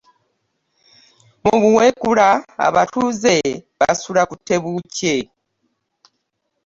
Mu Buweekula abatuuze basula ku tebuukye.